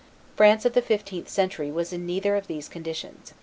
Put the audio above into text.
France of the fifteenth century was in neither of these conditions.